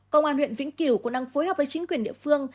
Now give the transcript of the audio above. công an huyện vĩnh cửu cũng đang phối hợp với chính quyền địa phương